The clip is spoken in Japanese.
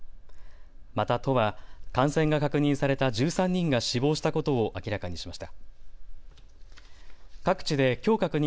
また都は感染が確認された１３人が死亡したことを明らかにしました。